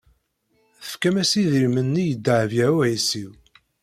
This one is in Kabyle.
Tefkam-as idrimen-nni i Dehbiya u Ɛisiw.